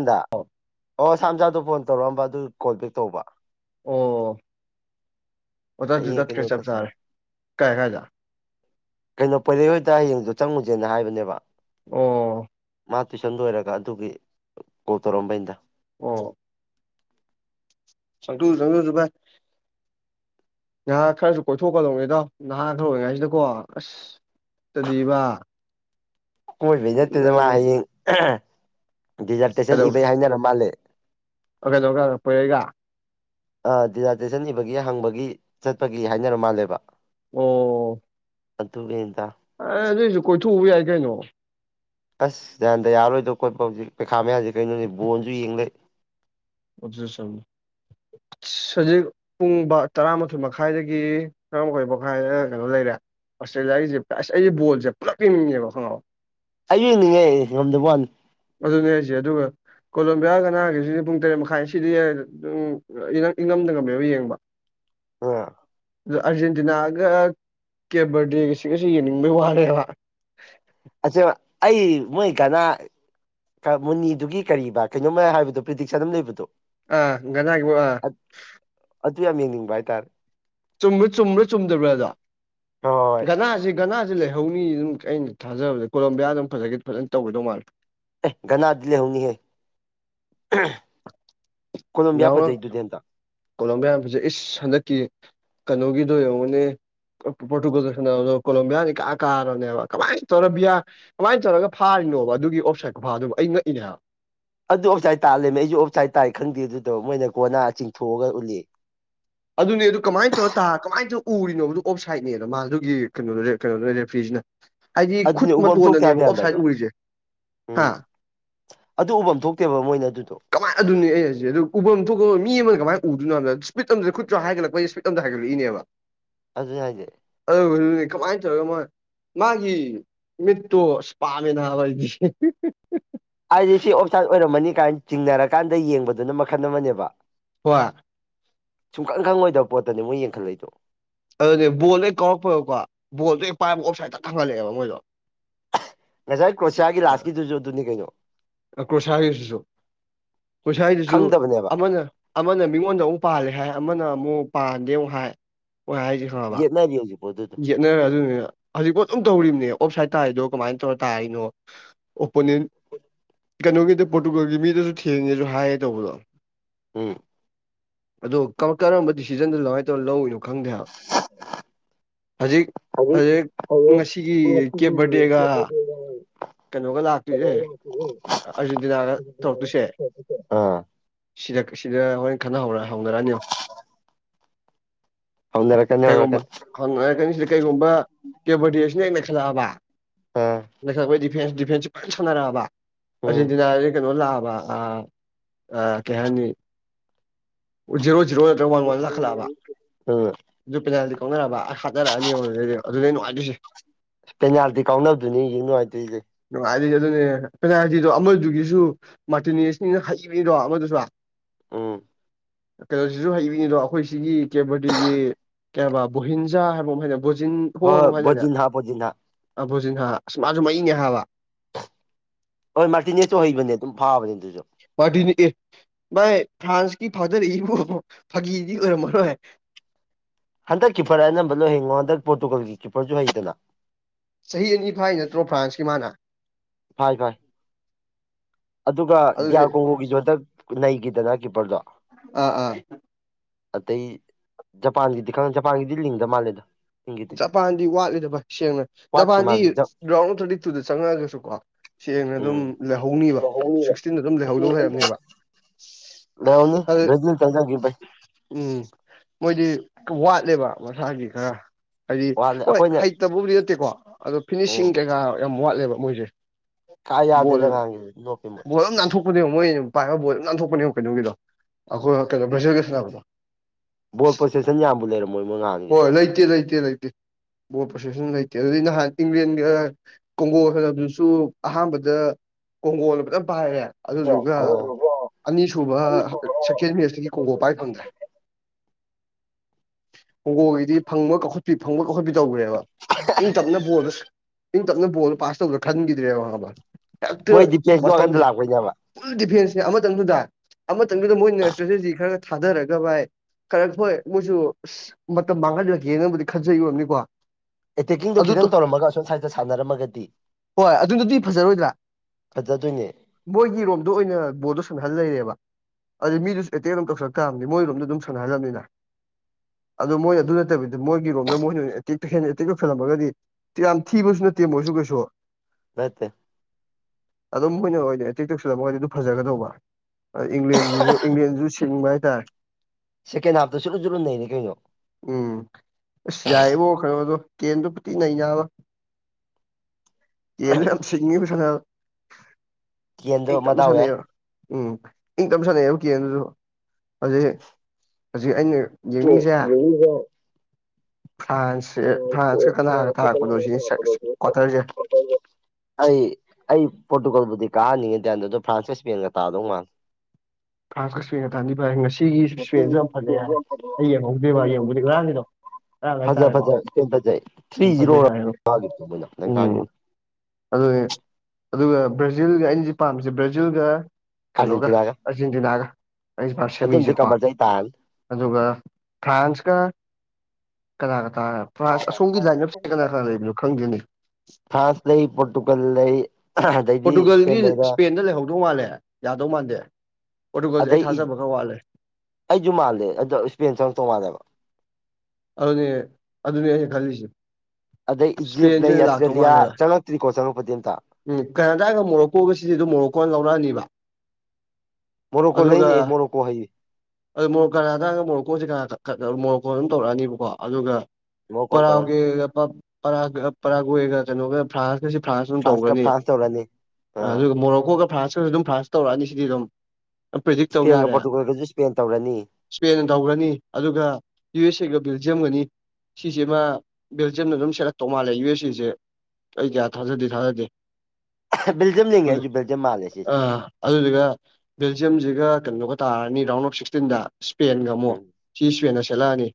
ꯟꯗ ꯑꯣ ꯑꯣ ꯁꯥꯝꯖꯥꯗꯣ ꯐꯣꯟ ꯇꯧꯔꯛꯑꯝꯕ ꯑꯗꯨ ꯀꯣꯜ ꯕꯦꯛ ꯇꯧꯕ ꯑꯣ ꯑꯣꯗꯠ ꯍꯌꯦꯡ ꯗ ꯀꯩꯅꯣ ꯀꯦꯁꯞ ꯆꯠꯁꯦ ꯁꯥꯔꯦ ꯍꯥꯏꯕ ꯀꯩ ꯀꯥꯏꯖ ꯀꯩꯅꯣ ꯄꯣꯏꯔꯩ ꯍꯣꯏꯗ ꯍꯌꯦꯡꯗꯣ ꯆꯪꯉꯨꯁꯦꯅ ꯍꯥꯏꯕꯅꯦꯕ ꯑꯣ ꯃꯥꯠꯇꯨ ꯁꯟꯗꯣꯏꯔꯒ ꯑꯗꯨꯒꯤ ꯀꯧꯇꯔꯝꯝꯕꯩꯗ ꯑꯣ ꯆꯪꯒ ꯆꯪꯒꯁꯨꯕ ꯉꯥꯏꯍꯥꯛ ꯈꯔꯁꯨ ꯀꯣꯏꯊꯣꯛꯀꯗꯧꯅꯦꯗꯣ ꯅꯍꯥꯟ ꯈꯔ ꯑꯣꯏꯉꯥꯏꯁꯤꯗꯀꯣ ꯑꯁ ꯆꯗꯤꯕ ꯀꯣꯏꯕꯩ ꯅꯠꯇꯗ ꯃꯥ ꯍꯌꯦꯡ ꯗꯤꯖꯥꯔꯇꯦꯁꯟ ꯏꯕꯩ ꯍꯥꯏꯅꯅ ꯃꯥꯜꯜꯂꯤꯦ ꯑꯣ ꯀꯩꯅꯧꯀꯄꯔ ꯑꯩꯒ ꯑ ꯗꯤꯖꯥꯔꯇꯦꯁꯟ ꯏꯕꯒꯤ ꯍꯪꯕꯒꯤ ꯆꯠꯄꯒꯤ ꯍꯥꯏꯅꯔ ꯃꯥꯜꯂꯦꯕ ꯎꯝ ꯑꯗꯨ ꯌꯦꯗ ꯑꯦ ꯑꯗꯨꯏꯁꯨ ꯀꯣꯏꯊꯣꯛꯎꯕ ꯌꯥꯏ ꯀꯩꯅꯣ ꯑꯁ ꯌꯥꯟꯗ ꯌꯥꯔꯣꯏꯗꯕ ꯈꯣꯠꯄ ꯍꯧꯖꯤꯛ ꯄꯩꯈꯥ ꯃꯌꯥꯝꯁꯦ ꯀꯩꯅꯣꯅꯤ ꯕꯣꯟꯁꯨ ꯌꯦꯡꯂꯡ ꯂꯩ ꯑꯣꯖ ꯁ ꯁꯖꯤ ꯄꯨꯡꯕ ꯇꯔꯥꯃꯥꯊꯣꯏ ꯃꯈꯥꯏꯗꯒꯤ ꯇꯔꯥꯃꯥꯊꯣꯏ ꯃꯈꯥꯏꯗ ꯀꯩꯅꯣ ꯂꯩꯔꯦ ꯑꯣꯁꯇ꯭ꯔꯦꯂꯤꯌꯥꯒꯤꯁꯦ ꯑꯁ ꯑꯩ ꯕꯣꯜꯁꯦ ꯄꯨꯂꯞ ꯄꯤꯅꯤꯡꯉꯦꯕ ꯈꯪꯉꯛꯑꯣ ꯑꯩ ꯌꯦꯡꯅꯤꯡꯉꯦꯔꯣꯝꯗꯕꯣꯅꯤ ꯑꯗꯨꯅꯦ ꯍꯥꯏꯁꯦ ꯑꯗꯨꯒ ꯀꯣꯂꯣꯝꯕꯤꯌꯥꯒꯅꯥꯒꯤꯁꯤꯗꯤ ꯄꯨꯡ ꯇꯔꯦꯠ ꯃꯈꯥꯏ ꯁꯤꯗꯤꯝ ꯏꯪꯉꯝꯗ ꯉꯝꯃꯦꯕ ꯌꯦꯡꯕ ꯑ ꯑꯗ ꯑꯥꯔꯖꯦꯟꯇꯤꯅꯥꯒ ꯀꯦꯕꯔꯗꯦꯒꯁꯤꯒꯁꯨ ꯌꯦꯡꯅꯤꯡꯕꯒꯤ ꯋꯥꯅꯦꯦꯕ ꯑꯁꯦ ꯑꯩ ꯃꯣꯏ ꯀꯅꯥ ꯃꯨꯅꯤꯗꯨꯒꯤ ꯀꯔꯤꯕꯕꯥ ꯀꯩꯅꯣꯝꯃ ꯍꯥꯏꯕꯗꯣ ꯄ꯭ꯔꯤꯗꯤꯛꯁꯟ ꯑꯃ ꯂꯩꯕꯗꯣ ꯑ ꯟꯒꯤꯕꯨ ꯑ ꯑꯗꯨ ꯌꯥꯝ ꯌꯦꯡꯅꯤꯡꯕ ꯍꯥꯏꯇꯥꯔꯦ ꯆꯨꯝꯕ꯭ꯔꯥ ꯆꯨꯝꯕ꯭ꯔꯥ ꯆꯨꯝꯗꯕ꯭ꯔꯥꯗ ꯍꯣꯏ ꯍꯣꯏ ꯒꯅꯥꯁꯤ ꯒꯅꯥꯁꯦ ꯂꯩꯍꯧꯅꯤ ꯑꯗꯨꯝ ꯑꯩꯅ ꯊꯥꯖꯕꯗ ꯀꯣꯝꯕꯤꯌꯥ ꯑꯗꯨꯝ ꯐꯖ ꯐꯖꯅ ꯇꯧꯒꯗꯧ ꯃꯥꯜꯂꯦ ꯑꯦ ꯒꯅꯥꯗꯤ ꯂꯩꯍꯧꯅꯤꯍꯦ ꯀꯣꯂꯣꯝꯕꯝꯌꯥ ꯔꯥꯎꯟ ꯑꯞ ꯐꯖꯩꯗꯨꯗꯤ ꯍꯟꯗꯛ ꯀꯣꯂꯣꯝꯕꯤꯌꯥ ꯌꯥꯝ ꯐꯖꯩ ꯏꯁ ꯍꯟꯗꯛꯀꯤ ꯀꯩꯅꯣꯒꯤꯗꯣ ꯌꯦꯡꯉꯨꯅꯦ ꯄꯣꯔꯇꯨꯒꯜꯒ ꯁꯥꯅꯕꯗꯣ ꯀꯣꯂꯦꯝꯕꯤꯌꯥꯅ ꯏꯀꯥ ꯀꯥꯔꯅꯦꯕ ꯀꯃꯥꯏ ꯇꯩꯔ ꯕꯤꯌꯥ ꯀꯃꯥꯏꯅ ꯇꯧꯔꯒ ꯐꯥꯔꯤꯅꯣꯕ ꯑꯗꯨꯒꯤ ꯑꯣꯞꯁꯥꯏꯠ ꯈꯨꯐꯥꯗꯨꯕꯣ ꯑꯩ ꯉꯛꯏꯅꯦꯕ ꯑꯗꯨ ꯑꯣꯞꯆꯥꯏꯠ ꯇꯥ ꯂꯩꯃꯦ ꯑꯩꯁꯨ ꯑꯣꯞꯆꯥꯏꯠ ꯇꯥꯏ ꯈꯪꯗꯦ ꯑꯗꯨꯗꯣ ꯃꯣꯏꯅ ꯀꯣꯅꯥ ꯆꯤꯡꯊꯣꯛꯑꯒ ꯎꯠꯂꯤ ꯑꯗꯨꯅꯦ ꯑꯗꯨ ꯀꯃꯥꯏꯅ ꯇꯧꯔ ꯇꯥ ꯀꯃꯥꯏꯅ ꯇꯧꯔ ꯎꯔꯤꯅꯣꯕꯗꯨꯣ ꯑꯣꯞ ꯁꯥꯏꯠꯅꯦꯅ ꯃꯥ ꯑꯗꯨꯒꯤ ꯀꯩꯅꯣ ꯀꯩꯅꯣ ꯔꯦꯐ꯭ꯔꯤꯖꯤꯅ ꯍꯥꯏꯗꯤ ꯈꯨꯠ ꯑꯗꯨꯅꯦ ꯎꯐꯝ ꯊꯣꯛꯇꯦ ꯃꯇꯣꯟꯗꯅꯦꯕ ꯍꯥꯏꯗꯤ ꯑꯣꯞꯁꯥꯏꯠ ꯍꯟꯗꯛꯗꯣ ꯎꯔꯤꯁꯦ ꯍꯥ ꯎꯝ ꯑꯗꯨ ꯎꯐꯝ ꯊꯣꯛꯇꯦꯕ ꯃꯣꯏꯅ ꯑꯗꯨꯗꯣ ꯀꯃꯥꯏꯅ ꯑꯗꯨꯅꯤ ꯑꯩꯩꯅ ꯍꯥꯏꯖꯤ ꯑꯗꯨ ꯎꯐꯝ ꯊꯣꯛꯄ ꯃꯤ ꯑꯃꯅ ꯀꯃꯥꯏꯅ ꯎꯗꯗꯨꯅꯣꯕ ꯏꯁꯄꯤꯠ [unintelligible] ꯍꯥꯏꯒꯠꯛꯄꯩ ꯏꯁꯄꯤꯗ ꯑꯝꯗ ꯍꯥꯏꯒꯠꯂꯛꯏꯅꯦꯕ ꯑꯗꯨ ꯍꯥꯏꯖꯦ ꯑꯗꯨꯒ ꯀꯃꯥꯏꯅ ꯇꯧꯔꯒ ꯃꯣꯏ ꯃꯥꯒꯤ ꯃꯤꯠꯇꯣ ꯑꯁ ꯄꯥꯝꯃꯦꯅꯥꯕ ꯑꯩꯗꯤ [unintelligible] ꯍꯥꯏꯗꯤ ꯁꯤ ꯑꯣꯞꯁꯥꯏꯠ ꯑꯣꯏꯔꯝꯃꯅꯤ ꯀꯥꯏꯅ ꯆꯤꯡꯅꯔꯀꯥꯟꯗ ꯌꯦꯡꯕꯗꯨꯅ ꯃꯈꯜ ꯑꯃꯅꯦꯕ ꯍꯣꯏ ꯁꯨꯡꯈꯟ ꯈꯪꯉꯣꯏꯗꯕ ꯄꯣꯠꯇꯅꯦ ꯃꯣꯏ ꯌꯦꯡꯈꯂꯛꯏꯗꯣ ꯑꯗꯨꯅꯦ ꯕꯣꯜꯗꯣ ꯍꯦꯛ ꯀꯥꯎꯧꯔꯛꯄꯒꯀꯣ ꯕꯣꯜꯗꯣ ꯍꯦꯛ ꯄꯥꯏꯕ ꯑꯣꯞꯁꯥꯏꯗꯇ ꯇꯛ ꯊꯥꯡꯒꯠꯂꯛꯑꯦꯕ ꯃꯣꯏꯗꯣ ꯉꯁꯥꯏ ꯀ꯭ꯔꯣꯁꯤꯌꯥꯒꯤ ꯂꯥꯁꯀꯤꯗꯨꯁꯨ ꯑꯗꯨꯅꯤ ꯀꯩꯅꯣ ꯀ꯭ꯔꯣꯁꯤꯌꯥꯒꯤꯁꯤꯁꯨ ꯀ꯭ꯔꯣꯁꯤꯁꯥꯒꯤꯗꯁꯨ ꯈꯪꯗꯕꯅꯦꯕ ꯑꯃꯅ ꯑꯃꯅ ꯃꯤꯉꯣꯟꯗ ꯑꯃꯨꯛ ꯄꯥꯜꯂꯤ ꯍꯥꯏ ꯑꯃꯅ ꯑꯃꯨꯛ ꯄꯥꯟꯗꯦ ꯑꯃꯨꯛ ꯍꯥꯏ ꯃꯣꯏꯅ ꯍꯥꯏꯁꯦ ꯌꯦꯠꯅꯔꯤ ꯍꯧꯖꯤꯛꯐꯥꯎ ꯑꯗꯨꯗꯣ ꯌꯦꯠꯅꯔ ꯑꯗꯨꯅꯤꯅ ꯍꯧꯖꯤꯛꯐꯥꯎ ꯑꯗꯨꯝ ꯇꯧꯔꯤꯕꯅꯦ ꯑꯣꯞ ꯁꯥꯏꯠ ꯇꯥꯔꯤꯗꯣ ꯀꯃꯥꯏꯅ ꯇꯧꯔ ꯇꯥꯔꯤꯅꯣ ꯑꯣꯄꯣꯅꯤꯟ ꯀꯩꯅꯣꯒꯤꯗꯣ ꯄꯣꯔꯇꯨꯒꯜꯒꯤ ꯃꯤꯗꯁꯨ ꯊꯦꯡꯉꯦꯁꯨ ꯍꯥꯏꯌꯦ ꯇꯧꯕꯗꯣ ꯎꯝ ꯑꯗꯣ ꯀꯔꯝꯕ ꯗꯤꯁꯤꯖꯟꯗꯣ ꯀꯃꯥꯏꯅ ꯇꯧꯅ ꯂꯧꯔꯤꯅꯣ ꯈꯪꯗꯦ ꯍꯥꯏꯕ ꯍꯧꯖꯤꯛ ꯍꯧꯖꯤꯛ ꯉꯁꯤꯒꯤ ꯀꯦꯞ ꯕꯔꯗꯦꯒ ꯀꯩꯅꯣꯒꯥ ꯂꯥꯛꯇꯣꯏꯖꯦ ꯑꯦ [unintelligible] ꯑꯥꯔꯖꯦꯟꯇꯤꯅꯥꯒ ꯇꯧꯔꯛꯇꯣꯏꯁꯦ ꯑꯥ ꯁꯤꯗ ꯁꯤꯗ ꯍꯣꯔꯦꯟ ꯈꯠꯅ ꯍꯧꯔ ꯍꯧꯅꯔꯛꯑꯅꯤ ꯌꯦꯡꯉꯣ ꯍꯧꯅꯔꯛꯀꯅꯤ ꯍꯧꯅꯔꯛꯀꯅꯤ ꯍꯧꯅꯔꯛꯀꯅꯤ ꯁꯤꯗ ꯀꯩꯒꯨꯝꯕ ꯀꯦꯕꯣꯔ ꯗꯦ ꯑꯁꯤꯅ ꯍꯦꯛ ꯅꯩꯈꯠꯂꯛꯑꯕ ꯑꯥ ꯅꯩꯈꯠꯂꯛꯄꯩꯗꯤ ꯐꯦꯟꯁ ꯗꯤꯐꯦꯟꯁꯁꯨ ꯐꯖꯅ ꯁꯥꯟꯅꯔꯛꯑꯕ ꯎꯝ ꯑꯥꯔꯖꯦꯟꯇꯤꯅꯥꯖꯤ ꯀꯩꯅꯣ ꯂꯥꯛꯑꯕ ꯑ ꯑ ꯀꯩ ꯍꯥꯏꯅꯤ ꯖꯤꯔꯣ ꯖꯤꯔꯣ ꯅꯠꯇ꯭ꯔꯒ ꯋꯥꯟ ꯋꯥꯟ ꯂꯥꯛꯈꯠꯂꯛꯑꯕ ꯎꯝ ꯑꯗꯨ ꯄꯦꯅꯥꯜꯇꯤ ꯀꯧꯅꯔꯛꯑꯕ ꯑ ꯍꯥꯠꯅꯔꯛꯑꯅꯤ ꯌꯦꯡꯉꯣ ꯑꯗꯨꯗꯩ ꯅꯨꯡꯉꯥꯏꯗꯣꯏꯁꯦ ꯄꯦꯅꯥꯜꯗꯤ ꯀꯥꯎꯅꯕꯗꯨꯅꯤ ꯌꯦꯡ ꯅꯨꯡꯉꯥꯏꯇꯣꯏꯁꯦ ꯅꯨꯡꯉꯥꯏꯇꯣꯏꯁꯦ ꯑꯗꯨꯅꯦ ꯄꯦꯅꯥꯜꯇꯤꯗꯄ ꯑꯃꯗꯨꯒꯤꯁꯨ ꯃꯥꯔꯇꯤꯅꯦꯁꯅꯤꯅ ꯍꯩꯕꯅꯤꯗꯣ ꯑꯃꯗꯨꯁꯨ ꯑꯝ ꯀꯩꯅꯣꯁꯤꯁꯨ ꯍꯩꯕꯤꯅꯤꯗꯣ ꯑꯩꯈꯣꯏ ꯁꯤꯒꯤ ꯀꯦꯕꯔꯗꯤꯒꯤ ꯀꯩ ꯍꯥꯏ ꯕꯨꯍꯤꯟꯖꯥ ꯍꯥꯏꯕ ꯑꯃ ꯍꯥꯏ ꯕꯣꯖꯤꯟ ꯍꯣꯏ ꯍꯣꯏ ꯕꯣꯖꯤꯟꯍꯥ ꯕꯣꯖꯤꯟꯍꯥ [unintelligible] ꯑꯕꯣꯖꯤꯟ ꯍꯥ ꯑꯁ ꯃꯥꯁꯨ ꯃꯩꯅꯦ ꯍꯥꯏꯕ ꯍꯣꯏ ꯃꯥꯜꯇꯤꯅꯦꯠꯁꯨ ꯍꯩꯕꯅꯦ ꯑꯗꯨꯝ ꯐꯥꯕꯅꯦ ꯑꯗꯨꯁꯨ ꯃꯥꯔꯗꯤꯅꯤ ꯑꯦ ꯃꯥꯏ ꯐ꯭ꯔꯥꯟꯁꯀꯤ ꯐꯥꯗꯔꯛꯏꯕꯣ ꯐꯥꯒꯤꯗꯤ ꯑꯣꯏꯔꯝꯃꯔꯣꯏ ꯍꯟꯗꯛ ꯀꯤꯄꯔ ꯑꯅꯝꯕ ꯂꯣꯏ ꯍꯩꯉꯣ ꯍꯟꯗꯛ ꯄꯣꯔꯇꯨꯒꯜꯒꯤ ꯀꯤꯄꯔꯁꯨ ꯍꯩꯗꯅ ꯆꯍꯤ ꯑꯅꯤ ꯐꯥꯏ ꯅꯠꯇ꯭ꯔꯣ ꯐ꯭ꯔꯥꯟꯁꯀꯤ ꯃꯥꯅ ꯐ ꯐ ꯑꯗꯨꯒ ꯑꯗꯨꯗꯤ ꯗꯤꯌꯥꯔ ꯀꯣꯒꯣꯒꯤꯁꯨ ꯍꯟꯇꯛ ꯅꯩꯈꯤꯗꯅ ꯀꯤꯞꯄꯔꯗꯣ ꯑꯥ ꯑꯥ ꯑꯇꯩ ꯖꯄꯥꯟꯒꯤꯗꯤ ꯈꯪ ꯖꯄꯥꯟꯒꯤꯗꯤ ꯂꯤꯡꯗ ꯃꯥꯜꯂꯦꯗ ꯂꯤꯡꯒꯤꯗꯤ ꯖꯄꯥꯟꯗꯤ ꯋꯥꯠꯂꯤꯗꯕ ꯁꯦꯡꯅ ꯋꯥꯠꯈꯤ ꯖꯄꯥꯟꯗꯤ ꯃꯥꯜꯂꯦ ꯖꯞ ꯔꯥꯎꯟ ꯊꯥꯔꯇꯤ ꯇꯨꯗ ꯆꯪꯉꯛꯑꯒꯁꯨ ꯀꯣ ꯁꯦꯡꯅ ꯑꯗꯨꯝ ꯎꯝ ꯂꯩꯍꯧꯅꯤꯕ ꯁꯤꯛꯁꯇꯤꯟꯗ ꯑꯗꯨꯝ ꯂꯩꯍꯧꯗꯧꯕ ꯍꯥꯏꯩꯞꯅꯦꯕ ꯂ ꯭ꯔꯁ ꯇꯪꯪ ꯎꯝ ꯃꯣꯏꯗꯤ ꯋꯥꯠꯂꯦꯕ ꯃꯁꯥꯒꯤ ꯈꯔ ꯍꯥꯏꯗꯤ ꯋꯥꯠꯂꯦ ꯍꯣꯏ ꯑꯩꯈꯣꯏꯅ ꯍꯩꯇꯕꯕꯨꯗꯤ ꯅꯠꯇꯦꯀꯣ ꯑꯗꯣ ꯐꯤꯅꯤꯁꯤꯡ ꯎꯝ ꯀꯩꯀꯥ ꯌꯥꯝ ꯋꯥꯠꯂꯦꯕ ꯃꯣꯏꯁꯦ ꯀꯥ ꯣꯜ ꯌꯥꯗꯦꯗ ꯉꯥꯡꯉꯤꯁꯦ ꯅꯣꯞꯄꯤ ꯃꯣꯏ ꯣꯜ ꯑꯃ ꯅꯅꯥꯊꯣꯛ ꯊꯣꯛꯄꯅꯦꯣ ꯃꯣꯏ ꯄꯥꯏꯕ ꯕꯣ ꯑꯗꯨ ꯟꯊꯣꯛꯄꯅꯦꯕꯣ ꯀꯩꯅꯣꯒꯤꯗꯣ ꯑꯩꯈꯣꯏꯩꯅꯣ ꯭ꯔꯦꯖꯗꯣ ꯕꯣꯜ ꯄꯣꯁꯦꯁꯟ ꯌꯥꯝꯕꯨ ꯂꯩꯔꯝꯃꯣꯏ ꯃꯣꯏꯉꯥꯟꯒꯤꯗꯣ ꯅꯣꯢꯗꯤ ꯂꯩꯇꯦ ꯂꯩꯇꯦ ꯕꯣꯜ ꯄ꯭ꯔꯣꯁꯦꯁꯟ ꯂꯩꯇꯦ ꯑꯗꯨꯗꯩ ꯅꯍꯥꯟ ꯏꯪꯂꯦꯟꯒ ꯀꯣꯡꯒꯣꯒꯥ ꯁꯅꯥꯕꯗꯨꯁꯨ ꯑꯍꯥꯟꯕꯗ ꯀꯣꯡꯒꯣꯅ ꯐꯖꯥ ꯄꯥꯏ ꯑꯗꯨꯗꯨꯒ ꯑꯗꯨꯗꯨꯀꯣ ꯑꯅꯤꯁꯨꯕ ꯁꯦꯀꯦꯟ ꯃꯦꯁꯇꯒꯤ ꯀꯣꯡꯒꯣ ꯄꯥꯏꯕ ꯐꯪꯗ꯭ꯔꯦ ꯀꯣꯡꯒꯣꯒꯤꯗꯤ ꯐꯪꯕ ꯀꯥꯎꯈꯠꯄꯤ ꯐꯪꯕ ꯀꯥꯎꯈꯠꯄꯤ ꯇꯧꯈ꯭ꯔꯦꯕ ꯏꯪ ꯇꯞꯅ ꯕꯣꯜ ꯏꯪ ꯇꯞꯅ ꯕꯣꯜꯗꯣ ꯄꯥꯁ ꯇꯧꯗ꯭ꯔꯥ ꯈꯟꯈꯤꯗ꯭ꯔꯦꯕ ꯍꯦꯛꯇꯥ ꯃꯣꯏ ꯗꯤꯐꯦꯟꯁꯀꯤ ꯋꯥꯈꯟꯗ ꯃꯇꯝꯁꯦ ꯂꯥꯛꯄꯩꯅꯦꯕ ꯐꯨꯜ ꯗꯤꯐꯦꯟꯁꯅꯦ ꯑꯃꯇꯪꯗꯨꯗ ꯑꯃꯇꯪꯗꯨꯗ ꯃꯣꯏꯅ ꯏꯁꯇ꯭ꯔꯦꯇꯦꯖꯤ ꯈꯔ ꯊꯥꯗꯔꯒ ꯚꯥꯏ ꯀꯔꯥ ꯍꯣꯏ ꯃꯣꯏꯁꯨ ꯃꯇꯝ ꯃꯥꯡꯍꯜꯂꯒꯦꯅꯕꯨꯗꯤ ꯈꯟꯖꯩꯕ ꯑꯣꯏꯔꯝꯅꯤꯀꯣ ꯑꯦꯇꯦꯛꯀꯤꯡꯗꯣ ꯑꯗꯨ ꯈꯤꯇꯪ ꯇꯧꯔꯝꯒ ꯁꯣꯝ ꯁ꯭ꯥꯏꯗ ꯁꯥꯟꯅꯔꯝꯃꯥꯒꯗꯤ ꯍꯣꯏ ꯑꯗꯨꯗꯨꯗꯤ ꯐꯖꯔꯣꯏꯗ꯭ꯔꯥ ꯐꯖꯗꯣꯏꯅꯦ ꯃꯣꯏꯒꯤ ꯔꯣꯝꯗꯣ ꯑꯣꯏꯅ ꯕꯣꯗꯣ ꯁꯅꯍꯜ ꯂꯩꯔꯦꯕ ꯑꯗꯩ ꯃꯤꯗꯨꯁꯨ ꯑꯦꯇꯦꯛ ꯁꯨꯝ ꯇꯧꯁꯟꯂꯛꯇꯥꯕꯅꯤ ꯃꯣꯏꯔꯣꯝꯗ ꯑꯗꯨꯝ ꯁꯥꯟꯅꯍꯜꯕꯅꯤꯅ ꯑꯗꯨ ꯃꯣꯏ ꯑꯗꯨ ꯅꯠꯇꯕꯤꯗ ꯃꯣꯏ ꯔꯣꯝꯗ ꯃꯣꯏꯅ ꯑꯣꯏꯅꯥ ꯍꯦꯟꯅ ꯑꯦꯇꯦꯛ ꯇꯩꯁꯜꯂꯝꯃꯒꯗꯤ ꯌꯥꯝ ꯊꯤꯕꯁꯨ ꯅꯠꯇꯦ ꯃꯣꯏꯁꯨ ꯀꯩꯁꯨ [unintelligible] ꯑꯗꯨꯝ ꯃꯣꯏꯅ ꯑꯣꯏꯅ ꯑꯦꯇꯦꯛ ꯇꯧꯁꯜꯂꯛꯄꯥ ꯑꯗꯨ ꯐꯖꯒꯗꯧꯕ ꯏꯪꯂꯦꯟ ꯏꯪꯂꯦꯟꯁꯨ ꯁꯤꯡꯕ ꯍꯥꯏꯇꯥꯔꯦ ꯁꯀꯦꯟ ꯍꯥꯐꯇꯥ ꯁꯨꯔꯨꯖꯨꯔꯨ ꯅꯩꯔꯦ ꯀꯩꯅꯦ ꯎꯝ ꯑꯁ ꯌꯥꯏꯕꯣ ꯀꯩꯅꯣꯗꯣ ꯀꯦꯟꯗꯣ ꯊꯤꯅꯩ ꯅꯥꯕ ꯀꯦꯟꯗꯣ ꯌꯥꯝ ꯁꯤꯡꯉꯤꯕꯨ ꯁꯅꯥ ꯀꯦꯟꯗꯣ ꯏꯪ ꯇꯞꯅꯥ ꯃꯗꯥꯎ ꯌꯥꯏ ꯁꯥꯅꯩꯕ ꯎꯝ ꯏꯪꯇꯞ ꯁꯥꯟꯅꯩꯌꯦꯕ ꯀꯦꯟ ꯗꯨꯁꯨ ꯍꯧꯖꯤꯛ ꯍꯧꯖꯤꯛ ꯑꯩꯅ ꯌꯦꯡꯅꯤꯡꯉꯤꯁꯦ [unintelligible] ꯐ꯭ꯔꯥꯟꯁ ꯐ꯭ꯔꯥꯟꯁꯀ ꯀꯅꯥꯒ ꯊꯥꯔꯛꯄꯅꯣ ꯁꯤꯅꯤ ꯀ꯭ꯋꯥꯇꯔꯁꯦ [unintelligible] ꯑꯩ ꯑꯩ ꯄꯣꯔꯇꯨꯒꯜꯕꯨꯗꯤ ꯀꯥꯍꯟꯅꯤꯡꯉꯦ ꯑꯗꯨꯗꯣ ꯐ꯭ꯔꯥꯟꯁ ꯀꯥ ꯏꯁꯄꯦꯟꯒ ꯇꯥꯗꯧ ꯃꯥꯜꯂꯦ ꯐ꯭ꯔꯥꯟꯁꯀꯥ ꯏꯁꯄꯦꯟꯒ ꯇꯥꯅꯤ ꯕꯥꯏ ꯉꯁꯤꯒꯤ ꯏꯁꯄꯦꯟꯁꯨ ꯌꯥꯝ ꯐꯖꯩ ꯍꯥꯏ ꯑꯩ ꯌꯦꯡꯍꯧꯗꯦꯕ ꯌꯦꯡꯕꯗꯤ ꯉꯔꯥꯡꯒꯤꯗꯣ ꯉꯔꯥꯡ ꯐꯖ ꯍꯥꯏꯇꯥꯔꯦꯀꯣ ꯐꯖ ꯏꯁꯄꯦꯟ ꯐꯖꯩ ꯊ꯭ꯔꯤ ꯑꯗꯨꯝ ꯐꯖꯩ ꯖꯤꯔꯣꯥ ꯍꯥꯏꯌꯦꯕ ꯀꯥꯈꯤꯕꯗꯣ ꯃꯣꯏꯅ ꯑꯗꯨꯃꯥꯏ ꯀꯥꯈꯤꯕꯅꯣ ꯑꯗꯨꯅꯤ ꯑꯗꯨꯒ ꯕ꯭ꯔꯥꯖꯤꯜꯒ ꯑꯩꯅ ꯍꯧꯖꯤꯛ ꯄꯥꯝꯃꯤꯁꯦ ꯕ꯭ꯔꯥꯖꯤꯜꯒ ꯀꯩꯅꯣꯒ ꯑꯔꯖꯦꯟꯇꯤꯅꯥꯒ ꯑꯥꯔꯖꯦꯟꯇꯤꯅꯥꯒ ꯑꯄꯥ ꯁꯦꯃꯤꯁꯦꯀꯣ ꯀꯝꯄꯜꯁꯔꯤ ꯇꯥꯔꯅꯤ ꯑꯗꯨꯒ ꯐ꯭ꯔꯥꯟꯁꯀꯥ ꯀꯅꯥꯒ ꯇꯥꯔꯕ ꯐꯔꯥꯁ ꯑꯁꯣꯝꯒꯤ ꯂꯥꯏꯜꯑꯄ ꯁꯦ ꯀꯅꯥ ꯀꯅꯥ ꯂꯩꯕꯅꯣ ꯈꯪꯗꯦ ꯐ꯭ꯔꯥꯟꯁ ꯂꯩ ꯄꯣꯔꯇꯨꯒꯜ ꯂꯩ ꯑꯗꯩꯗꯤ ꯏꯁꯄꯦꯟ ꯄꯣꯔꯇꯨꯒꯜꯒꯤ ꯂꯩꯔꯦ ꯁ꯭ꯄꯦꯟꯗ ꯂꯩꯍꯧꯗꯧ ꯃꯥꯜꯂꯦ ꯌꯥꯗꯧ ꯃꯥꯟꯗꯦ ꯄꯣꯔꯇꯨꯒꯜꯁꯦ ꯑꯗꯩ ꯑꯩ ꯏ ꯊꯥꯖꯕ ꯈꯔ ꯋꯥꯠꯂꯦ ꯑꯩꯁꯨ ꯃꯥꯜꯂꯦ ꯑꯗꯣ ꯏꯁꯄꯦꯟ ꯆꯪꯛꯇꯧ ꯃꯥꯟꯕꯥ ꯑꯗꯨꯅꯦ ꯑꯗꯨꯅꯦ ꯑꯩ ꯈꯜꯂꯤꯁꯦ ꯑꯗꯩ ꯏꯖꯤꯞ ꯏꯁꯄꯦꯟꯁꯦ ꯂꯩ ꯑꯣꯏꯅ ꯂꯥꯛꯇꯧ ꯑꯁꯇ꯭ꯔꯦꯂꯤꯌꯥ ꯃꯥꯜꯂꯦꯕ ꯆꯪꯉꯛꯇ꯭ꯔꯤꯀꯣ ꯆꯪꯉꯛꯄꯗꯤ ꯑꯝꯇꯥ ꯎꯝ ꯀꯥꯅꯗꯥꯒꯥ ꯃꯣꯔꯣꯛꯀꯣꯒꯥ ꯁꯤꯜꯂꯤꯗꯣ ꯃꯣꯔꯣꯛꯀꯣꯅ ꯂꯧꯔꯛꯑꯅꯤꯕ ꯃꯣꯔꯣꯀꯣ ꯂꯩꯅꯦ ꯑꯦ ꯃꯣꯔꯣꯀꯣ ꯍꯩ ꯑꯗꯣ ꯃꯣꯔꯣꯛ ꯀꯅꯥꯗꯒꯥ ꯃꯣꯔꯣꯛꯀꯣꯒꯥꯁꯦ ꯃꯣꯔꯣꯛꯀꯣ ꯑꯗꯨꯝ ꯇꯧꯔꯛꯑꯅꯤꯕꯀꯣ ꯑꯗꯨꯒ ꯃꯣꯔꯣꯀꯣꯅ ꯇꯧꯔꯅꯤ ꯄꯔꯥꯎꯒꯦ ꯄꯔꯥ ꯄꯔꯥꯎ ꯒꯋꯦ ꯐ꯭ꯔꯥꯟꯁ ꯀ ꯁꯤ ꯐ꯭ꯔꯥꯟꯁ ꯐ꯭ꯔꯥꯟꯁꯀ ꯇꯧꯒ꯭ꯔꯅꯤ ꯐ꯭ꯔꯥꯟꯁ ꯇꯧꯔꯅꯤ ꯑꯥ ꯑꯗꯨꯒ ꯃꯣꯔꯣꯛꯀꯣꯒ ꯐ꯭ꯔꯥꯟꯁꯀꯁꯨ ꯑꯗꯨꯝ ꯐ꯭ꯔꯥꯟ ꯇꯧꯔꯛꯑꯅꯤ ꯁꯤꯗꯤ ꯑꯗꯨꯝ ꯄ꯭ꯔꯔꯤꯗꯤꯛ ꯇꯧ ꯏꯁꯄꯦꯟꯒ ꯌꯥꯔꯦ ꯄꯣꯔꯇꯨꯒꯜꯒꯁꯨ ꯏꯁꯄꯦꯟ ꯇꯧꯔꯅꯤ ꯏꯁꯄꯦꯟꯅ ꯇꯧꯒ꯭ꯔꯅꯤ ꯑꯗꯨꯒ ꯌꯨ ꯑꯦꯁ ꯑꯦꯒ ꯕꯦꯜꯖꯤꯌꯝꯒꯅꯤ ꯁꯤꯁꯤꯃꯥ ꯕꯦꯜꯖꯤꯌꯝꯅ ꯑꯗꯨꯝ ꯁꯦꯠꯂꯛ ꯇꯧ ꯃꯥꯜꯂꯦ ꯌꯨ ꯑꯦꯁ ꯖ‌ꯦ ꯑꯩ ꯀꯌꯥ ꯊꯥꯖꯗꯤ ꯊꯖꯥ ꯕꯦꯜꯖꯤꯌꯝ ꯂꯤꯡꯉꯦ ꯑꯩꯁꯨ ꯕꯦꯜꯖꯤꯌꯝ ꯃꯥꯜꯂꯦ ꯁꯤ ꯑ ꯑꯗꯨꯗꯨꯒ ꯕꯦꯜꯖꯤꯌꯝꯖꯤꯒ ꯀꯩꯅꯣꯒ ꯇꯥꯔꯅꯤ ꯔꯥꯎꯟ ꯑꯣꯐ ꯁꯤꯛꯁꯇꯤꯟꯗ ꯁꯄꯦꯟꯒ ꯑꯃꯨꯛ ꯎꯝ ꯁꯤ ꯏꯁꯄꯦꯟꯅ ꯁꯦꯠꯂꯛꯑꯅꯤ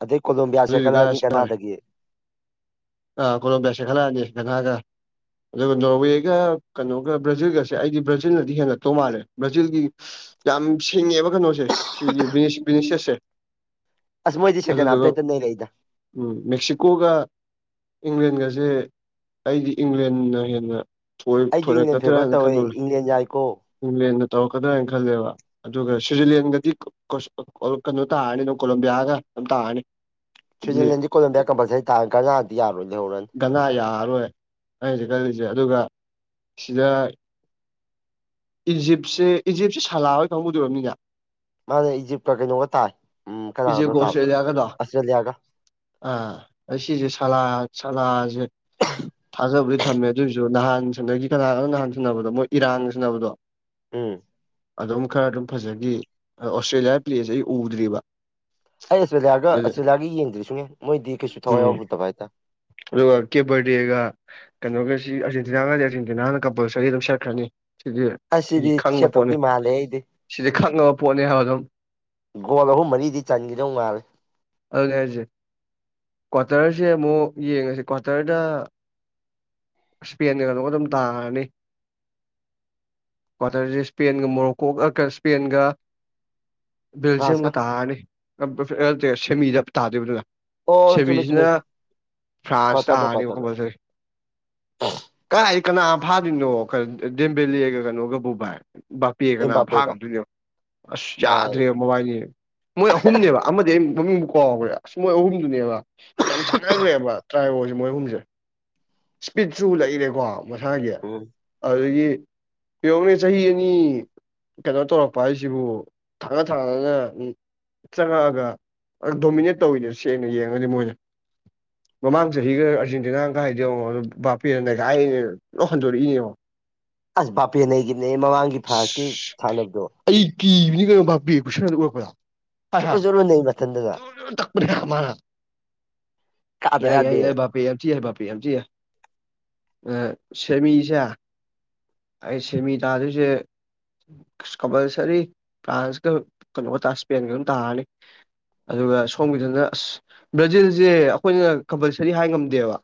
ꯑꯗꯩ ꯀꯣꯝꯕ ꯕꯤꯌꯥ [unintelligible] [inaudible] ꯑ ꯀꯣꯂꫭꯝꯕꯤꯌꯥ ꯆꯦꯡꯈꯠꯂꯛꯑꯅꯤ ꯅꯈꯥꯏꯒ ꯑꯗꯨꯒ ꯅꯣꯔꯋꯦꯒ ꯀꯩꯅꯣꯒ ꯕ꯭ꯔꯥꯖꯤꯜꯒꯁꯦ ꯑꯩꯗꯤ ꯕ꯭ꯔꯥꯖꯤꯜꯅꯗꯤ ꯍꯦꯟꯅ ꯇꯣꯡ ꯃꯥꯥꯜꯂꯦ ꯕ꯭ꯔꯥꯖꯤꯜꯒꯤ ꯌꯥꯝ ꯁꯤꯡꯉꯦꯕ ꯀꯩꯅꯣꯁꯦ ꯁꯤꯒꯤ ꯕꯤꯅꯤꯁ ꯕꯤꯅꯤꯁꯤꯌꯁꯁꯦ ꯑꯗꯨꯗꯨꯒ ꯑꯩꯂꯩꯗ ꯎꯝ ꯃꯦꯛꯁꯤꯀꯣꯒ ꯏꯪꯂꯦꯟꯒꯁꯦ ꯑꯩꯗꯤ ꯏꯪꯂꯦꯟꯅ ꯍꯦꯟꯅ ꯊꯣꯏ ꯑꯩꯁꯨ ꯏꯪꯂꯦꯟ ꯊꯣꯏꯔꯛꯀꯗꫭꯏꯔꯥ ꯐꯦꯚꯔ ꯍꯥꯏꯅ ꯇꯧꯋꯦ ꯈꯟꯕꯝꯂꯩ ꯏꯪꯂꯦꯟ ꯌꯥꯏꯀꯣ ꯏꯪꯂꯦꯟꯅ ꯇꯧꯔꯛꯀꯗ꯭ꯔꯥ ꯍꯥꯏꯅ ꯈꯜꯂꯦꯕ ꯑꯗꯨꯒ ꯁ꯭ꯋꯤꯖꯔꯂꯦꯟꯒꯗꯤ ꯀꫭꯁ ꯀꯩꯅꯣ ꯇꯥꯔꯅꯤ ꯑꯗꯨꯝ ꯀꯣꯂꯣꯕꯤꯌꯥꯒ ꯑꯗꯨꯝ ꯇꯥꯔꯅꯤ ꯑꯗꯨꯗꯤ ꯁ꯭ꯋꯤꯖꯔꯂꯦꯟꯗꯤ ꯀꫭꯂꯝꯕꯤꯌꯥ ꯀꯝꯄꯜꯁꯔꯤ ꯇꯥꯟꯅꯤ ꯒꯟꯅꯥꯗꯤ ꯌꯥꯔꯣꯏ ꯂꯩꯍꯧꯔꯅꯤ ꯒꯅꯥ ꯌꯥꯔꯔꯣꯏ ꯑꯩ ꯍꯖꯤꯛ ꯈꯜꯂꯤꯁꯦ ꯑꯗꯨꯒ ꯁꯤꯗ ꯏꯖꯤꯞꯁꯦ ꯏꯖꯤꯞꯁꯦ ꯁꯥꯜꯂꯥꯍꫭꯏ ꯀꯥꯡꯕꯨꯗꯣ ꯑꯣꯏꯔꯝꯅꯤꯅꯦ ꯃꯥꯅꯦ ꯏꯖꯤꯞꯀ ꯀꯩꯅꯣꯒ ꯇꯥꯏ ꯎꯝ ꯀꯅꯥꯒꯅꯣ ꯏꯖꯤꯞꯀ ꯇꯥꯕꯗꯣ ꯑꯣꯁꯇ꯭ꯔꯦꯂꯤꯌꯥꯒꯗꯣ ꯑꯁꯇ꯭ꯔꯦꯂꯤꯌꯥꯒ ꯑꯥ ꯑꯥ ꯁꯤꯁꯦ ꯁꯂꯥ ꯁꯂꯥꯥꯖ‌ꯦ ꯊꯥꯖꯕꯨꯗꯤ ꯊꯝꯃꯦ ꯑꯗꯨꯑꯣꯏꯖꯨ ꯅꯍꯥꯟ ꯁꯥꯟꯅꯒꯤ ꯀꯅꯥꯒꯅꫭ ꯅꯍꯥꯟ ꯁꯥꯟꯅꯕꯗꯣ ꯃꯣꯏ ꯏꯔꯥꯟꯒ ꯁꯥꯟꯅꯕꯗꯣ ꯎꯝ ꯑꯗꯨꯝ ꯈꯔ ꯑꯗꯨꯝ ꯐꯖꯒꯤ ꯑꯣꯁꯇ꯭ꯔꯦꯂꯤꯌꯥ ꯄ꯭ꯂꯦꯁꯦ ꯑꯩ ꯎꯗ꯭ꯔꯤꯕ ꯑꯩ ꯑꯁꯇ꯭ꯔꯦꯂꯤꯌꯥꯒ ꯑꯗꯨ ꯑꯁꯇꯦꯂꯤꯌꯥꯒꯤ ꯌꯦꯡꯗ꯭ꯔꯤ ꯁꯨꯡꯉꯦꯡ ꯃꯣꯏꯗꯤ ꯀꯩꯁꯨ ꯊꯋꯥꯏ ꯌꯥꯎꯔꯨꯗꯕ ꯍꯥꯏꯇꯥꯏ ꯑꯗꯨ ꯀꯦ ꯚꯔꯗꯦꯒ ꯀꯩꯅꯣꯒꯁꯤ ꯑꯥꯔꯖꯦꯟꯇꯤꯅꯥꯒꯗꯤ ꯑꯥꯔꯖꯦꯟꯇꯤꯅꯥꯅ ꯀꯝꯄꯜꯁꯔꯤ ꯑꯗꯨꯝ ꯁꯦꯠꯈ꯭ꯔꯅꯤ ꯑꯁ ꯁꯤꯗꯤ ꯈꯪꯉ ꯄꯣꯠꯅꯤ ꯁꯦꯠꯇꯧꯗꯤ ꯃꯥꯜꯂꯦ ꯑꯩꯗꯤ ꯁꯤꯗꯤ ꯈꯪꯉꯕ ꯄꯣꯠꯅꯤ ꯍꯥꯏꯕ ꯑꯗꯨꯝ ꯒꯣꯜ ꯑꯍꯨꯝ ꯃꯔꯤꯗꯤ ꯆꯟꯒꯤꯗꯧ ꯃꯥꯜꯂꯦ ꯑꯗꯨꯅꯦ ꯍꯥꯏꯁꯦ ꯀ꯭ꯋꯥꯇꯔꯁꯦ ꯑꯃꯨꯛ ꯌꯦꯡꯉꯁꯤ ꯀ꯭ꯋꯥꯇꯔꯗ ꯏꯁꯄꯦꯟꯒ ꯀꯩꯅꫭꯒ ꯑꯗꯨꯝ ꯇꯥꯔꯅꯤ ꯀ꯭ꯋꯥꯇꯔꯖ‌ꯦ ꯏꯁꯄꯦꯟꯒ ꯃꯣꯔꯣꯛꯀꯣꯒ ꯑ ꯀꯩ ꯏꯁꯄꯦꯟꯒ ꯐ꯭ꯔꯥꯟꯁꯀ ꯕꯦꯜꯖꯤꯌꯝꯒ ꯇꯥꯔꯅꯤ ꯀꯝꯄꯜꯁ ꯑ ꯅꯠꯇꯦ ꯁꯦꯃꯤꯗ ꯇꯥꯗꫭꯏꯕ ꯑꯗꯨꯅ ꯑꯣ ꯆꯨꯝꯃꯤ ꯆꯨꯝꯃꯤ ꯁꯦꯃꯤꯁꯤꯅ ꯐ꯭ꯔꯥꯟꯁ ꯀ꯭ꯋꯥꯇꯔꯗ ꯇꯥꯔꯅꯤꯕ ꯀ꯭ꯋꯥꯇꯔꯗ ꯀꯝꯄꯜꯁꯔꯤ ꯀꯥꯏ ꯀꯅꯥ ꯐꯥꯗꯣꯏꯅꯣ ꯗꯦꯝꯕꯦꯂ‌ꯦꯒ ꯀꯩꯅꯣꯒꯕꯨ ꯚꯥꯏ ꯕꯥꯄꯦ ꯀꯅꯥ ꯑꯦꯝꯕꯥꯄꯦꯒ ꯐꯥꯉꯝꯗꯣꯏꯅꫭ ꯌꯦꯡꯎꯣ ꯑꯁ ꯑꯥ ꯌꯥꯗ꯭ꯔꯦꯕ ꯃꯣꯕꯥꯏꯅꯤ ꯃꯣꯏ ꯑꯍꯨꯝꯅꯦꯕ ꯑꯃꯗꯤ ꯑꯩ ꯃꯃꯤꯡꯕꯨ ꯀꯥꯎꯒꯔꯦ ꯑꯁ ꯃꯣꯏ ꯑꯍꯨꯝꯗꯨꯅꯦꯕ ꯌꯥꯝ ꯆꯥꯟꯅꯒ꯭ꯔꯦꯕ ꯇ꯭ꯔꯥꯏꯌꫭꯁꯦ ꯃꯣꯏ ꯑꯍꯨꯝꯁꯦ ꯏꯁꯄꯤꯠꯁꯨ ꯂꯩꯔꯦꯀꯣ ꯃꯁꯥꯒꯤ ꯎꯝ ꯑꯗꯨꯗꯒꯤ ꯌꯦꯡꯉꫭꯅꯦ ꯆꯍꯤ ꯑꯅꯤ ꯀꯩꯅꯣ ꯇꯧꯔꯛꯄ ꯍꯥꯏꯁꯤꯕꯨ ꯊꯥꯡꯅ ꯊꯪꯅꯅ ꯆꯪꯉꯛꯑꯒ ꯗꯣꯃꯤꯅꯦꯠ ꯇꯧꯋꯤꯅꯦ ꯁꯦꯡꯅ ꯌꯦꯡꯉꯒꯗꯤ ꯃꯣꯏꯅ ꯃꯃꯥꯡ ꯆꯍꯤꯒ ꯑꯔꯖꯦꯟꯇꯤꯅꯥꯅ ꯀꯥꯏ ꯌꯦꯡꯉꯣ ꯕꯥꯄꯦꯅ ꯅꯩꯈꯥꯢꯔꯤꯅꯦ ꯀꯩꯅꯣ ꯂꫭꯏ ꯍꯟꯗꯣꯔꯛꯏꯅꯦ ꯌꯦꯡꯉꫭ ꯑꯁ ꯕꯥꯄꯦ ꯅꯩꯒꯤꯝꯅꯤꯍꯦ ꯃꯃꯥꯡꯒꯤ ꯐ꯭ꯔꯥꯟꯁꯀꯤ ꯑꯁ ꯁꯥꯟꯅꯕꯗꯣ ꯑꯩ ꯀꯤꯕꯅꯤ ꯀꯩꯅꯣ ꯕꯥꯄꯦꯒꯤ ꯈꯨꯁꯥꯅꯗꫭ ꯎꯔꯛꯄꯗ ꯍꯥꯏ ꯖꯨꯔꯨ ꯍꯥꯏ ꯖꯨꯔꯨ ꯅꯩ ꯃꯊꯟꯗꯅ ꯖꫭꯔꫭ ꯖꫭꯔ ꯇꯛꯄꯅꯦ ꯃꯥꯅ ꯀꯥꯗ ꯌꯥꯗꯦꯅ ꯄꯤ ꯑꯆ ꯕꯥꯄꯤ [unintelligible] ꯁꯦꯃꯤꯁꯦ ꯑꯩ ꯁꯦꯃꯤ ꯇꯥꯗꯣꯏꯁꯦ ꯀꯝꯄꯜꯁꯔꯤ ꯐ꯭ꯔꯥꯟꯁꯀ ꯀꯩꯅꯣꯒ ꯊꯥ ꯏꯁꯄꯦꯟꯒ ꯑꯗꯨꯝ ꯇꯥꯔꯅꯤ ꯑꯗꯨꯒ ꯁꯣꯝꯒꯤꯗꯅ ꯑꯁ ꯕ꯭ꯔꯥꯖꯤꯜꯁꯦ ꯑꯩꯈꯣꯏꯅ ꯀꯝꯄꯜꯁꯔꯤ ꯍꯥꯏ ꯉꯝꯗꯦꯕ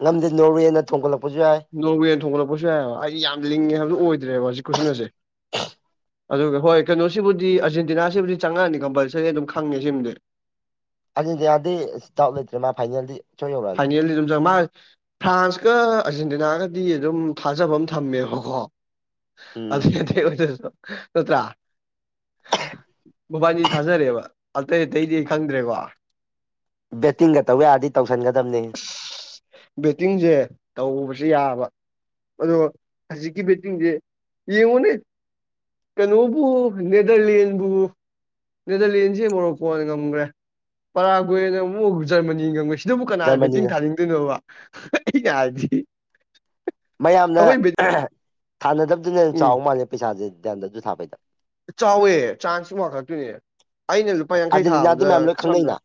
ꯉꯝꯗꯦ ꯅꯣꯔꯋꯦꯅ ꯊꯣꯝꯒꯠꯂꯛꯄꯁꯨ ꯌꯥꯏ ꯅꯣꯔꯋꯦꯅ ꯊꯣꯝꯒꯠꯂꯛꯄꯁꯨ ꯌꯥꯏꯑꯕ ꯑꯩꯗꯤ ꯌꯥꯝ ꯂꯤꯡꯉꯦ ꯍꯥꯏꯕꯗꯣ ꯑꯣꯏꯗ꯭ꯔꯦꯕ ꯍꯧꯖꯤꯛ ꯈꯨꯁꯟꯅꯁꯦ ꯑꯗꯨꯒ ꯍꯣꯏ ꯀꯩꯅꯣꯁꯤꯕꯨꯗꯤ ꯑꯔꯖꯦꯟꯇꯤꯅꯥꯁꯤꯕꯨꯗꯤ ꯆꯪꯉꯛꯑꯅꯤ ꯀꯝꯄꯜꯁꯔꯤ ꯑꯗꯨꯝ ꯈꯪꯉꯦ ꯁꯤꯃꯗꯤ ꯑꯖꯦꯟꯇꯤꯅꯥꯗꯤ ꯏꯁ ꯗꯥꯎꯠ ꯂꯩꯇ꯭ꯔꯦ ꯃꯥ ꯐꯥꯏꯅꯦꯜꯗꯤ ꯁꫭꯏ ꯌꯧꯔꯛꯑꯅꯤ ꯐꯥꯏꯅꯦꯜꯂꯤ ꯑꯗꯨꯝ ꯆꯪ ꯃ ꯐ꯭ꯔꯥꯟꯁꯀ ꯑꯥꯔꯖꯦꯟꯇꯤꯅꯥꯒꯗꯤ ꯑꯗꯨꯝ ꯊꯥꯖꯕ ꯑꯃ ꯊꯝꯃꯦꯕꯀꯣ ꯎꯝ ꯑꯗꯨꯏ ꯅꯠꯇꯦ [unintelligible] ꯅꯠꯇ꯭ꯔꯥ ꯃꯕꯥꯅꯤ ꯊꯥꯖꯔꯦꯕ ꯑꯇꯩ ꯑꯇꯩꯗꯤ ꯑꯩ ꯈꯪꯗ꯭ꯔꯦꯀꯣ ꯕꯦꯠꯇꯤꯡꯒ ꯇꯧ ꯌꯥꯔꯗꯤ ꯇꯧꯁꯟꯒꯗꯝꯅꯤ ꯕꯦꯠꯇꯤꯡꯖꯦ ꯇꯧꯕꯁꯦ ꯌꯥꯕ ꯑꯗꯣ ꯍꯧꯖꯤꯛꯀꯤ ꯕꯦꯠꯇꯤꯡꯗꯤ ꯌꯦꯡꯉꯨꯅꯦ ꯀꯩꯅꯣꯕꯨ ꯅꯦꯗꯔꯂꯦꯟꯕꯨ ꯅꯦꯗ꯭ꯔꯂꯦꯟꯁꯦ ꯃꯣꯔꯣꯛꯀꯣꯅ ꯉꯝꯒ꯭ꯔꯦ ꯄꯔꯥꯒ꯭ꯋꯦꯅ ꯑꯃꯨꯛ ꯖ꯭ꯔꯃꯅꯤ ꯉꯝꯃꯁꯤ ꯀꯅꯥ ꯕꯦꯇꯤꯡ ꯖꯔꯃꯅꯤꯅ ꯊꯥꯅꯤꯡꯗꯣꯏꯅꯣꯕ ꯑꯩꯩꯅ ꯍꯥꯏꯗꯤ ꯃꯌꯥꯝꯅ ꯑꯩꯈꯣꯏ ꯕꯦꯠ ꯑꯦꯍꯦ ꯊꯥꯅꯗꯕꯗꯨꯅ ꯍꯦꯟ ꯎꯝ ꯆꯥꯎ ꯃꯥꯜꯂꯦ ꯄꯩꯁꯥꯖꯦ ꯗ꯭ꯌꯥꯟꯗꯗꯨ ꯊꯥꯕꯩꯗ ꯆꯥꯎꯋꯦ ꯆꯥꯟꯁ ꯋꯥꯡꯈꯂꯠꯇꯨꯏꯅꯦ ꯑꯩꯅ ꯂꯨꯄꯥ ꯌꯥꯡꯈꯩ ꯑꯥꯔꯖꯦꯟꯇꯤꯅꯥꯗꯤ ꯊꯥꯕꯗ ꯃꯌꯥꯝ ꯂꯣꯏ ꯁꯝꯅꯥ ꯈꯪꯅꯩꯅ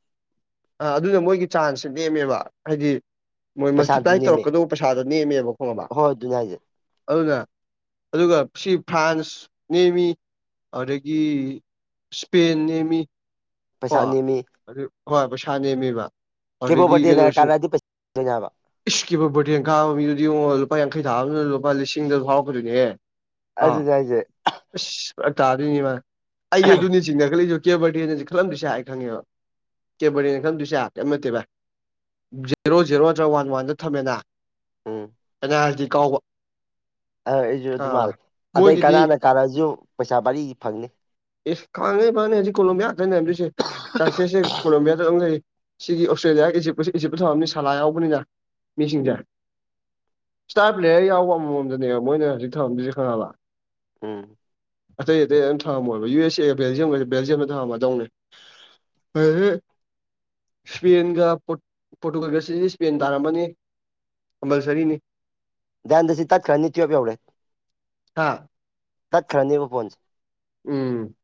ꯑ ꯑꯗꯨꯅ ꯃꯣꯏꯒꯤ ꯆꯥꯟꯁ ꯁꯦ ꯅꯦꯝꯃꯦꯕ ꯍꯥꯏꯗꯤ ꯃꯣꯏ ꯄꯩꯁꯥꯁꯨ ꯃꯜꯇꯤꯄ꯭ꯂꯥꯏ ꯅꯦꯝꯃꯦ ꯇꯧꯔꯛꯀꯗꯧꯕ ꯄꯩꯁꯥꯗꯣ ꯅꯦꯝꯃꯦꯕ ꯈꯣꯉꯕ ꯍꯣꯏ ꯑꯗꯨꯅꯦ ꯍꯥꯏꯁꯦ ꯑꯗꯨꯅ ꯑꯗꯨꯒ ꯁꯤ ꯐ꯭ꯔꯥꯟꯁ ꯅꯦꯃꯤ ꯑꯗꯥꯒꯤ ꯁ꯭ꯄꯦꯟ ꯅꯦꯃꯤ ꯄꯩꯁꯥ ꯑꯅꯦꯃꯤ ꯑꯗꯨ ꯍꯣꯏ ꯄꯩꯁꯥ ꯅꯦꯝꯃꯤꯕ ꯀꯦꯕꯣꯕꯔꯗꯤꯅꯔ ꯀꯔꯥꯑꯗꯤ ꯄꯩ ꯗꯣꯏꯅꯦꯍꯥꯏꯕ ꯏꯁ ꯀꯤꯕ ꯕꯣꯔꯗꯦꯟ ꯀꯥꯕ ꯃꯤꯗꯨꯗꯤ ꯌꯣꯉꯣ ꯂꯨꯄꯥ ꯌꯥꯡꯈꯩ ꯊꯥꯕꯗꯨꯅ ꯂꯨꯄꯥ ꯂꯤꯁꯤꯡꯗ ꯐꯥꯎꯔꯛꯀꯗꯨꯏꯅꯤꯍꯦ ꯑꯗꯨꯅꯤ ꯍꯥꯏꯖꯦ ꯑꯁ ꯐꯔꯛ ꯇꯗꯣꯏꯅꯤꯃ ꯑꯩꯗꯤ ꯑꯗꯨꯨꯅꯤ ꯆꯤꯡꯅꯈꯂꯛꯏꯖꯤ ꯀꯦꯕꯔꯗꯦꯟ [unintelligible] ꯈꯜꯂꯝꯗꯣꯏꯁꯦ ꯑꯩ ꯈꯪꯉꯦꯕ ꯀꯦꯕ꯭ꯔꯗꯦꯟꯅ ꯈꯜꯂꯝꯗꯣꯏꯁꯦ ꯀꯩꯏꯝ ꯅꯠꯇꯦ ꯕꯥꯏ ꯖꯦꯔꯣ ꯖꯦꯔꯣ ꯅꯠꯇ꯭ꯔ ꯋꯥꯟ ꯋꯥꯟꯗ ꯊꯝꯃꯦꯅ ꯎꯝ ꯄꯦꯅꯥꯜꯇꯤ ꯀꯥꯎꯕ ꯑ ꯑꯩꯖꯨ ꯑꯗꯨ ꯈꯪꯉꯕ ꯃꯥꯜꯂꯤ ꯑꯗꯩ ꯃꯣꯏꯒꯤꯗꯤ ꯒꯅꯥꯅ ꯀꯥꯔꯛꯑꯖꯨ ꯄꯩꯁꯥ ꯚꯔꯤꯢ ꯐꯪꯅꯤ ꯑꯁ ꯈꯪꯉꯦ ꯐꯪꯅꯤ ꯍꯧꯖꯤꯛ ꯀꯣꯂꯣꯕꯤꯌꯥ ꯉꯥꯛꯇꯅꯦ ꯅꯩꯔꯝꯗꯣꯏꯁꯦ ꯆꯥꯟꯁꯦꯁꯁꯦ ꯀꯣꯂꯣꯝꯌꯥꯗ ꯑꯝ ꯂꯩ ꯁꯤꯒꯤ ꯑꯣꯁꯇ꯭ꯔꯦꯂꯤꯌꯥ ꯏꯖꯤꯞꯀꯁꯦ ꯏꯖꯤꯞꯇ ꯊꯥꯕ ꯃꯤ ꯁꯥꯂ ꯌꯥꯎꯕꯅꯤꯅ ꯃꯤꯁꯤꯡꯁꯦ ꯏꯁꯇꯥꯔ ꯄ꯭ꯂꯦꯌꯔ ꯌꯥꯎꯕ ꯑꯃꯃꯝꯗꯅꯦꯕ ꯃꯣꯏꯅ ꯍꯧꯖꯤꯛ ꯊꯃꯝꯗꯣꯏꯖꯦ ꯈꯪꯉꯕ ꯎꯝ ꯑꯇꯩ ꯑꯇꯩ ꯑꯝ ꯊꯃꯝꯃꯣꯏꯕ ꯌꯨ ꯑꯦꯁ ꯑꯦꯒ ꯕꯦꯜꯖꯤꯌꯝ ꯒꯖꯦ ꯕꯦꯜꯖꯤꯌꯝꯗ ꯊꯃꯃꯗꯧꯅꯦ [unintelligible] ꯁ꯭ꯄꯦꯟꯒ ꯄ꯭ꯣꯔ꯭ꯠ ꯄꯣꯔꯇꯨꯒꯜꯒ ꯁꯤꯗꯤ ꯁ꯭ꯄꯦꯟ ꯇꯥꯔꯝꯃꯅꯤ ꯀꯝꯄꯜꯁꯔꯤꯅꯤ ꯗꯌꯥꯟꯗ ꯁꯤ ꯇꯠꯈ꯭ꯔꯅꯤ ꯇꯨꯋꯦꯞ ꯌꯧꯔꯦ ꯍꯥꯥ ꯇꯠꯈ꯭ꯔꯅꯦꯕ ꯐꯣꯟꯁꯤ ꯎꯝ